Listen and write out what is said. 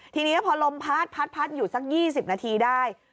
ทีนี้พอลมพัดพัดอยู่สัก๒๐นาทีได้